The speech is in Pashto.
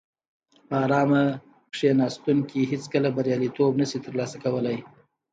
په ارامه کیناستونکي هیڅکله بریالیتوب نشي ترلاسه کولای.